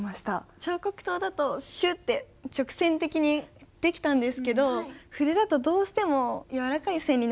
彫刻刀だとシュッって直線的にできたんですけど筆だとどうしても柔らかい線になってしまって。